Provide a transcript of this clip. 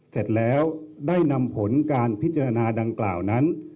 เสร็จแล้วได้นำผลการพิจารณาดังกล่าวนั้น